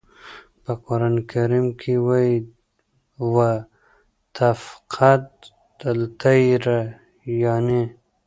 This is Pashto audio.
په قرآن کریم کې وایي "و تفقد الطیر" یانې.